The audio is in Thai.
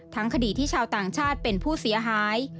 คดีที่ชาวต่างชาติเป็นผู้เสียหาย